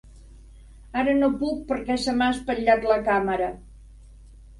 Ara no puc perquè se m'ha espatllat la càmera.